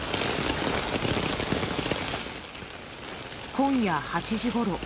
今夜８時ごろ。